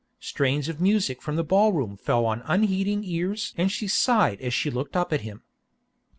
Strains of music from the ball room fell on unheeding ears and she sighed as she looked up at him.